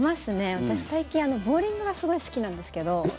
私、最近ボウリングがすごい好きなんですけど。